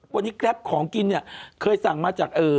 วันนี้แกรปของกินเนี่ยเคยสั่งมาจาก